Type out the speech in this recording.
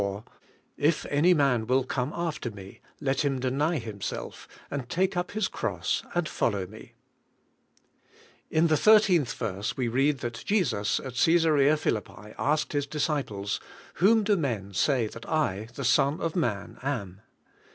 — If any majt will come after me, let him deny himself, and take up his cross, and follow me, IN the 13th verse we read that Jesus at Csesarea Philippi asked His disciples, "Whom do men say that I, the Son of Man, am?"